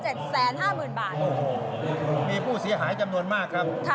มีผู้เสียหายจำนวนมากครับค่ะ